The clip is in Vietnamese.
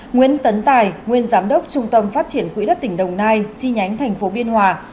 nguyễn tấn tài nguyên giám đốc trung tâm phát triển quỹ đất tỉnh đồng nai chi nhánh tp biên hòa